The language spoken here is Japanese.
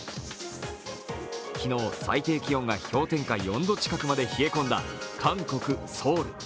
昨日、最低気温が氷点下４度近くまで冷え込んだ韓国ソウル。